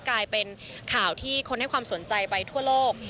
กลายเป็นข่าวที่คนให้ความสนใจไปทั่วโลก